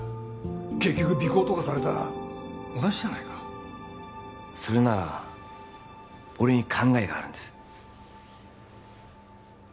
結局尾行とかされたら同じじゃないかそれなら俺に考えがあるんです・